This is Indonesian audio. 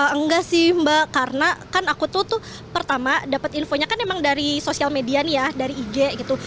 enggak sih mbak karena kan aku tuh pertama dapet infonya kan emang dari sosial media nih ya dari ig gitu